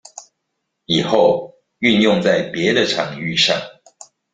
以後運用在別的場域上